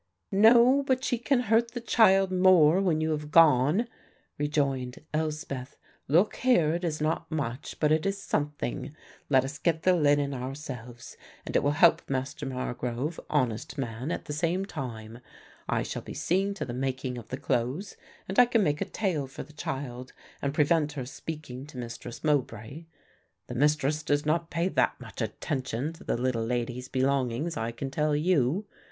"No, but she can hurt the child more, when you have gone," rejoined Elspeth. "Look here, it is not much, but it is something; let us get the linen ourselves, and it will help Master Margrove, honest man, at the same time. I shall be seeing to the making of the clothes and I can make a tale for the child and prevent her speaking to Mistress Mowbray. The Mistress does not pay that much attention to the little lady's belongings I can tell you.